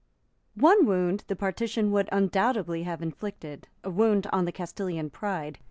One wound the partition would undoubtedly have inflicted, a wound on the Castilian pride.